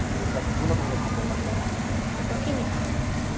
どんなところがかっこよかっ筋肉。